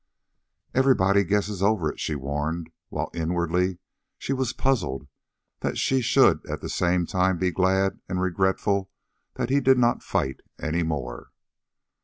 "Everybody guesses over it," she warned, while inwardly she was puzzled that she should at the same time be glad and regretful that he did not fight any more.